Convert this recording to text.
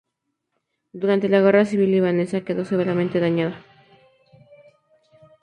Durante la guerra civil libanesa quedó severamente dañada.